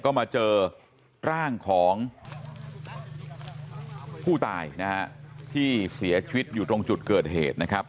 ก็มาเจอร่างของผู้ตายนะฮะที่เสียชีวิตอยู่ตรงจุดเกิดเหตุนะครับ